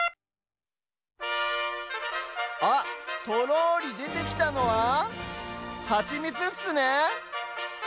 あっとろりでてきたのはハチミツっすね。